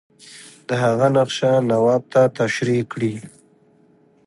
د هغه نقشه نواب ته تشریح کړي.